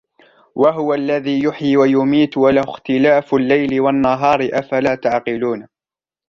وَهُوَ الَّذِي يُحْيِي وَيُمِيتُ وَلَهُ اخْتِلَافُ اللَّيْلِ وَالنَّهَارِ أَفَلَا تَعْقِلُونَ